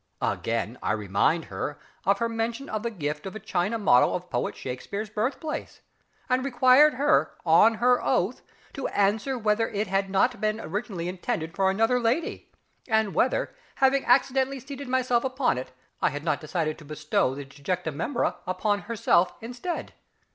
Again, I reminded her of her mention of the gift of a china model of Poet SHAKSPEARE'S birthplace, and required her on her oath to answer whether it had not been originally intended for another lady, and whether, having accidentally seated myself upon it, I had not decided to bestow the disjecta membra upon herself instead.